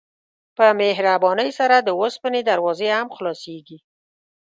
په مهربانۍ سره د اوسپنې دروازې هم خلاصیږي.